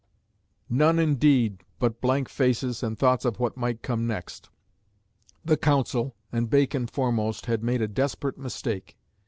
_" None indeed, but blank faces, and thoughts of what might come next. The Council, and Bacon foremost, had made a desperate mistake.